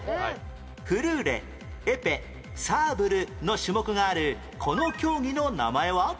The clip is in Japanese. フルーレエペサーブルの種目があるこの競技の名前は？